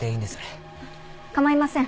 構いません。